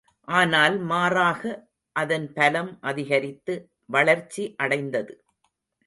ஆனால் மாறாக, அதன் பலம் அதிகரித்து, வளர்ச்சி அடைந்தது.